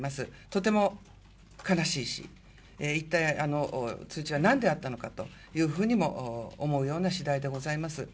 とても悲しいし、一体あの通知は何であったのかというふうにも思うようなしだいでございます。